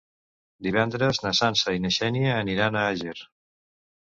Divendres na Sança i na Xènia aniran a Àger.